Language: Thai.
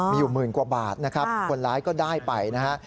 มีอยู่หมื่นกว่าบาทนะครับคนร้ายก็ได้ไปนะฮะ